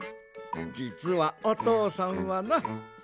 じつはおとうさんはな